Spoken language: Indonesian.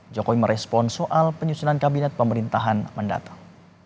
jokowi merespon soal penyusunan kabinet pemerintahan mendatang